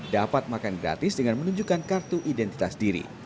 dapat makan gratis dengan menunjukkan kartu identitas diri